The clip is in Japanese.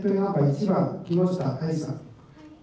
１番木下藍さん。